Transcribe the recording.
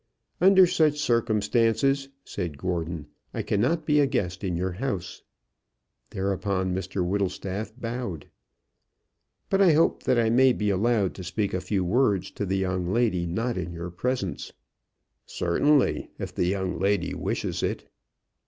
"Under such circumstances," said Gordon, "I cannot be a guest in your house." Thereupon Mr Whittlestaff bowed. "But I hope that I may be allowed to speak a few words to the young lady not in your presence." "Certainly, if the young lady wishes it."